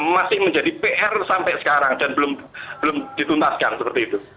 masih menjadi pr sampai sekarang dan belum dituntaskan seperti itu